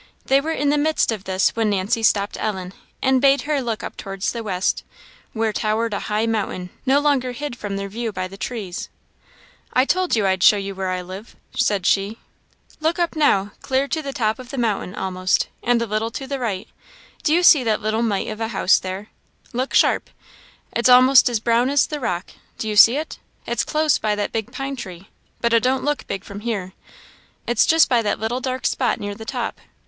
They were in the midst of this when Nancy stopped Ellen, and bade her look up towards the west, where towered a high mountain, no longer hid from their view by the trees. "I told you I'd show you where I live," said she. "Look up now clear to the top of the mountain, almost, and a little to the right do you see that little mite of a house there? Look sharp it's a'most as brown as the rock do you see it? it's close by that big pine tree, but it don't look big from here it's just by that little dark spot near the top."